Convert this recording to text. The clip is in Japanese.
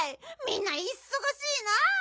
みんないそがしいな！